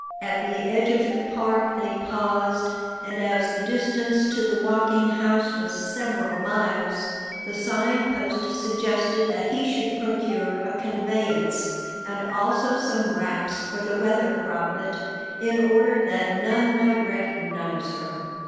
At the edge of the park they paused and as the distance to the Walking House was several miles, The Sign Post suggested that he should procure a conveyance and also some wraps for the Weather Prophet in order that none might recognize her.